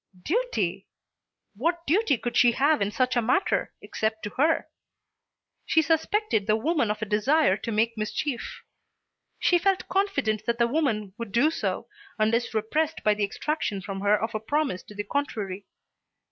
Duty! What duty could she have in such a matter, except to her? She suspected the woman of a desire to make mischief. She felt confident that the woman would do so unless repressed by the extraction from her of a promise to the contrary.